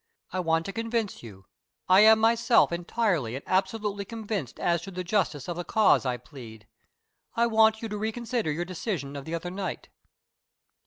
I want to convince you. I am myself entirely and absolutely convinced as to the justice of the cause I plead. I want you to reconsider your decision of the other night."